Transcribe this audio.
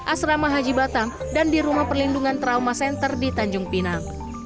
asrama haji batam dan di rumah perlindungan trauma center di tanjung pinang